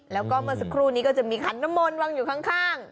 แล้วก็เมื่อสักครู่นี้ก็จะมีขันน้ำมนต์วางอยู่ข้าง